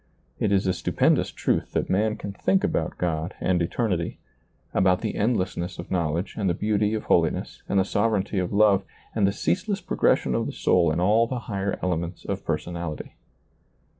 It is a stupendous truth that man can think about God and eternity, about the endlessness of knowledge and the beauty of holiness and the sovereignty of love and the ceaseless progression of the soul in all the higher elements of personality.